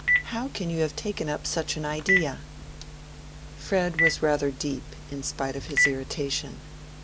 How can you have taken up such an idea?" Fred was rather deep, in spite of his irritation.